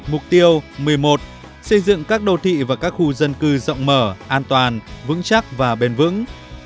mục tiêu một mươi một xây dựng các đô thị và các khu dân cư rộng mở an toàn vững chắc và bền vững